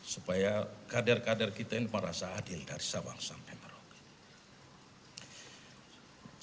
supaya kader kader kita ini merasa adil dari sabang sampai merauke